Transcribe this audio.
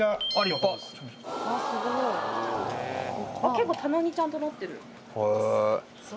結構棚にちゃんとなってる。